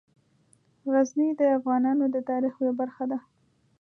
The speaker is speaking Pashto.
غزني د افغانانو د تاریخ یوه برخه ده.